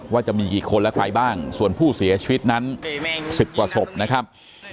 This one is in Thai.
ว่าจะมีกี่คนและใครบ้างส่วนผู้เสียชีวิตนั้น๑๐กว่าศพนะครับ